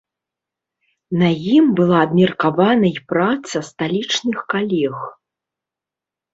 На ім была абмеркавана і праца сталічных калег.